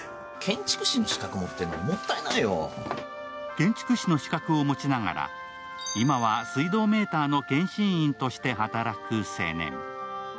建築士の資格を持ちながら、今は水道メーターの検針員として働く青年。